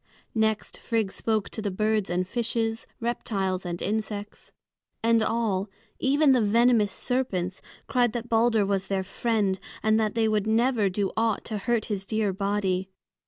Next Frigg spoke to the birds and fishes, reptiles and insects. And all even the venomous serpents cried that Balder was their friend, and that they would never do aught to hurt his dear body.